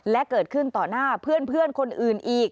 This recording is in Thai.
และเกิดขึ้นต่อหน้าเพื่อนคนอื่นอีก